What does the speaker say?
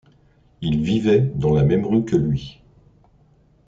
Il vivait dans la même rue que lui.